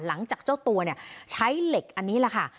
หลังจากเจ้าตัวเนี่ยใช้เหล็กอันนี้ล่ะค่ะ